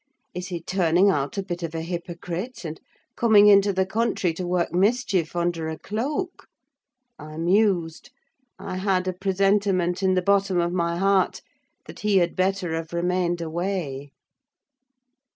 Is he turning out a bit of a hypocrite, and coming into the country to work mischief under a cloak? I mused: I had a presentiment in the bottom of my heart that he had better have remained away.